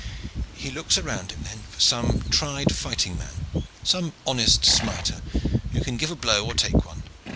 He looks around him then for some tried fighting man, some honest smiter who can give a blow or take one.